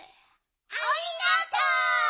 ありがとう！